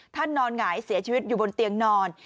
นอนหงายเสียชีวิตอยู่บนเตียงนอน